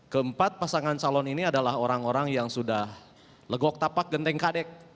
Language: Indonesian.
keempat pasangan calon ini adalah orang orang yang sudah legok tapak genteng kadek